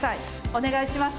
お願いします。